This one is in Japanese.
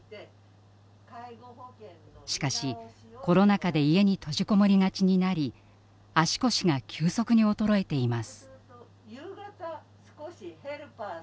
しかしコロナ禍で家に閉じこもりがちになり足腰が急速に衰えています。